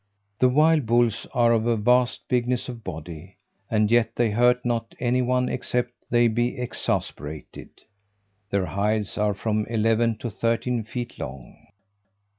The wild bulls are of a vast bigness of body, and yet they hurt not any one except they be exasperated. Their hides are from eleven to thirteen feet long.